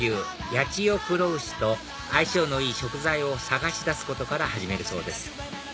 八千代黒牛と相性のいい食材を探し出すことから始めるそうです